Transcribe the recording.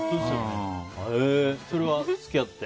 それは付き合って？